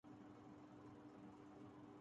اب مرشد کا مقابلہ تو نہیں کر سکتا